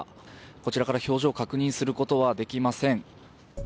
こちらから表情を確認することはできません。